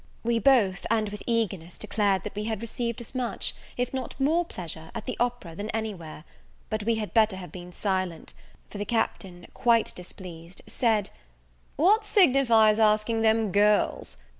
We both, and with eagerness, declared that we had received as much, if not more pleasure, at the opera than any where: but we had better have been silent; for the Captain, quite displeased, said, "What signifies asking them girls?